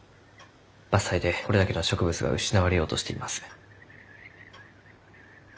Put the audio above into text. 伐採でこれだけの植物が失われようとしています。